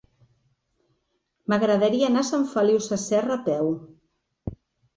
M'agradaria anar a Sant Feliu Sasserra a peu.